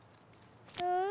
うん？